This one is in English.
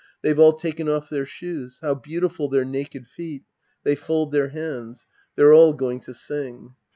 They've all taken off their shoes. How beautiful their naked feet 1 They fold their hands. They're all going to sing.